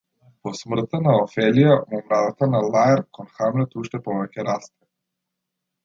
По смртта на Офелија омразата на Лаерт кон Хамлет уште повеќе расте.